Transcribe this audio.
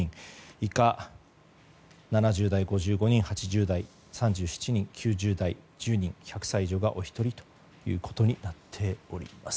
以下、７０代５５人８０代３７人９０代、１０人１００歳以上がお一人となっております。